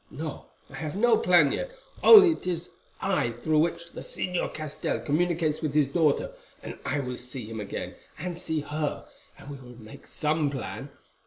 No, I have no plan yet, only it is I through whom the Señor Castell communicates with his daughter, and I will see him again, and see her, and we will make some plan.